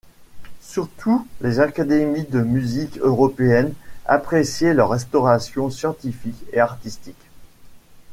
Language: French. Surtout, les académies de musique européennes appréciaient leur restauration scientifique et artistique.